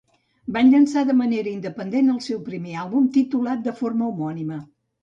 Van llançar de manera independent el seu primer àlbum, titulat de forma homònima.